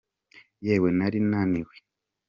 yewe, nari naniwe.